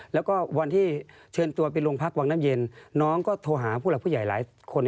แล้วก็วันที่เชิญตัวไปโรงพักวังน้ำเย็นน้องก็โทรหาผู้หลักผู้ใหญ่หลายคน